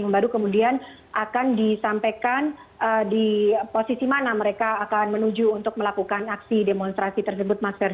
yang baru kemudian akan disampaikan di posisi mana mereka akan menuju untuk melakukan aksi demonstrasi tersebut mas ferdi